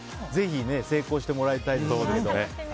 ぜひ成功してもらいたいですけどね。